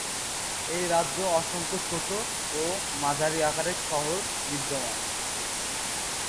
এই রাজ্যে অসংখ্য ছোটো ও মাঝারি আকারের শহর বিদ্যমান।